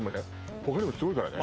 他にもすごいからね